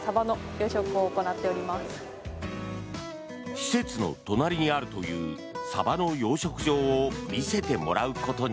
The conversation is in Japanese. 施設の隣にあるというサバの養殖場を見せてもらうことに。